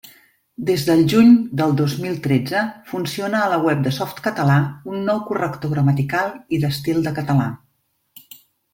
Des del juny del dos mil tretze funciona a la web de Softcatalà un nou corrector gramatical i d'estil de català.